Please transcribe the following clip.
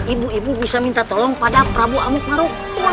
ibu ibu bisa minta tolong pada prabu amukmaruf